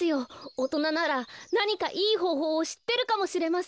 おとなならなにかいいほうほうをしってるかもしれません。